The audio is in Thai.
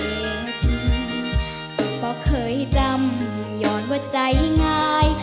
สิ่งป่าวเคยจำย้อนว่าใจง่าย